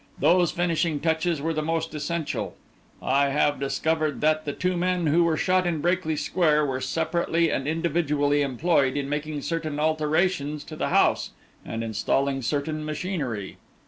Those finishing touches were the most essential. I have discovered that the two men who were shot in Brakely Square, were separately and individually employed in making certain alterations to the house and installing certain machinery.